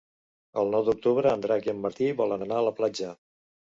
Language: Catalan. El nou d'octubre en Drac i en Martí volen anar a la platja.